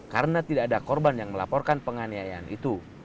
karena tidak ada korban yang melaporkan penganiayaan itu